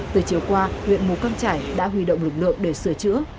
từ chiều qua huyện mù căng trải đã huy động lực lượng để sửa chữa